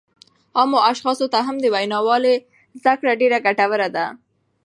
عامو اشخاصو ته هم د وینا والۍ زده کړه ډېره ګټوره ده